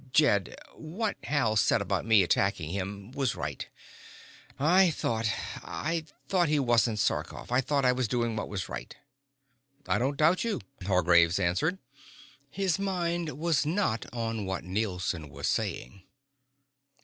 "Jed, what Hal said about me attacking him was right. I thought I thought he wasn't Sarkoff. I thought I was doing what was right." "I don't doubt you," Hargraves answered. His mind was not on what Nielson was saying.